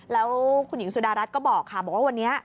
แล้วคุณหญิงสุดารัฐก็บอกค่ะบอกว่าวันนี้